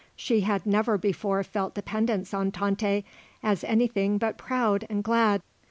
She had never before felt dependence on Tante as anything but proud and glad.